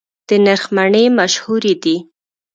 د نرخ مڼې مشهورې دي